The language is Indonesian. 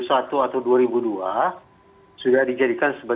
sudah dijadikan sebagai sebuah kondisi yang sangat berbeda